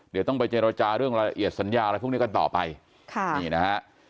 เดี๋ยวต้องไปเจรจาเรื่องรายละเอียดสัญญาอะไรพวกนี้กันต่อไปค่ะนี่นะฮะ